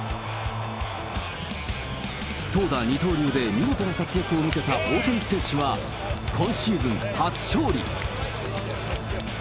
投打二刀流で見事な活躍を見せた大谷選手は、今シーズン初勝利。